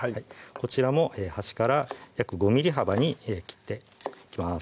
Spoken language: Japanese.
こちらも端から約５ｍｍ幅に切っていきます